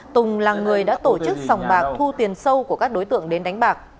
tùng là người đã tổ chức sòng bạc thu tiền sâu của các đối tượng đến đánh bạc